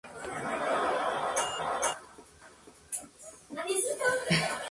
La película fue dirigida por Miguel Curiel.